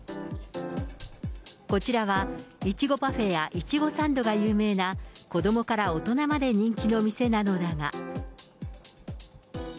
こちらは、イチゴパフェやイチゴサンドが有名な、子どもから大人まで人気の店なのだが。